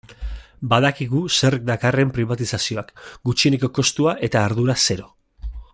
Badakigu zer dakarren pribatizazioak, gutxieneko kostua eta ardura zero.